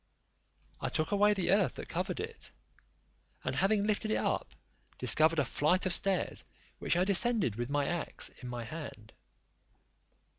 I took away the earth that covered it, and having lifted it up, discovered a flight of stairs, which I descended with my axe in my hand.